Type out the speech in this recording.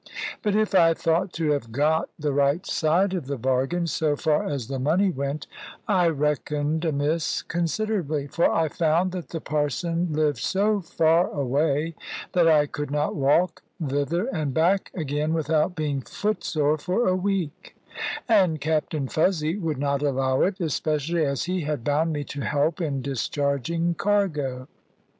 But if I thought to have got the right side of the bargain, so far as the money went, I reckoned amiss considerably; for I found that the Parson lived so far away, that I could not walk thither and back again without being footsore for a week; and Captain Fuzzy would not allow it, especially as he had bound me to help in discharging cargo.